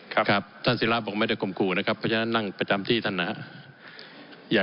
ครับท่านศิราบอกไม่ได้ข่มขู่นะครับเพราะฉะนั้นนั่งประจำที่ท่านนะครับ